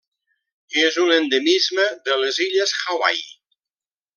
És un endemisme de les illes Hawaii: